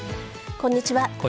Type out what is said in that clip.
こんにちは。